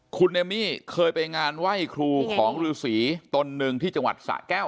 คุณเอมมี่เคยไปงานไหว้ครูของฤษีตนหนึ่งที่จังหวัดสะแก้ว